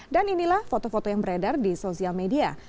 dan inilah foto foto yang beredar di sosial media